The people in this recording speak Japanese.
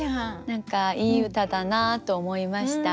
何かいい歌だなと思いました。